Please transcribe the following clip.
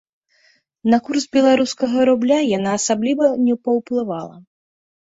На курс беларускага рубля яна асабліва не паўплывала.